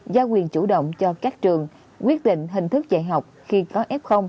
giao quyền chủ động cho các trường quyết định hình thức dạy học khi có f